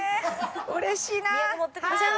うれしいな。